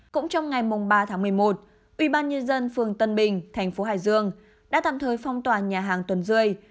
cũng trong ngày ba một mươi một ubnd phường tân bình tp hải dương đã tạm thời phong tỏa nhà hàng tuần rươi